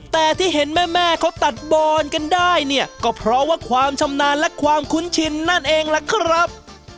แต่ที่เห็นแม่เขาตัดบอนกันได้เนี่ยก็เพราะว่าความชำนาญและความคุ้นชินนั่นเองล่ะครับ